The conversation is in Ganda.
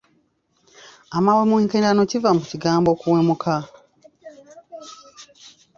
Amawemukirano kiva mu kigambo okuweemuka.